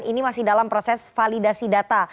ini masih dalam proses validasi data